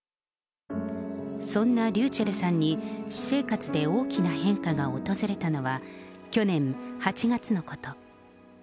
そんなｒｙｕｃｈｅｌｌさんに、私生活で大きな変化が訪れたのは、去年８月のこと。